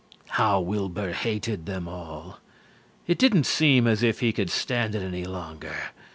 How Wilbur hated them all. It didn't seem as if he could stand it any longer.